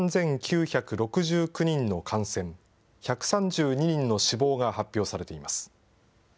５万３９６９人の感染、１３２人の死亡が発表されています。